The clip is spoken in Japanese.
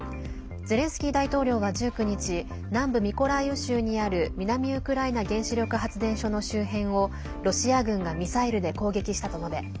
ゼレンスキー大統領は１９日南部ミコライウ州にある南ウクライナ原子力発電所の周辺をロシア軍がミサイルで攻撃したと述べ